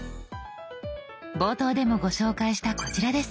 冒頭でもご紹介したこちらです。